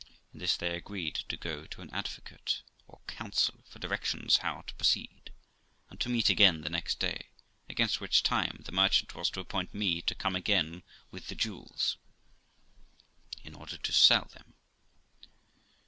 In this they agreed to go to an advocate, or counsel, for directions how to proceed, and to meet again the next day, against which time the 262 THE LIFE OF ROXANA merchant was to appoint me to come again with the jewels, in order to sell them.